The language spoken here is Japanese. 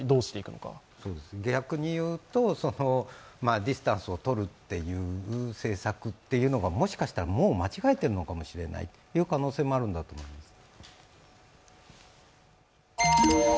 逆に言うと、ディスタンスをとるという政策というのがもしかしたら、間違えているのかもしれないという可能性もあるんだと思います。